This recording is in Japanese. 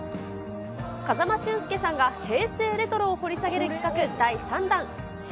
風間俊介さんが平成レトロを掘り下げる企画第３弾。